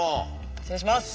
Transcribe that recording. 失礼します。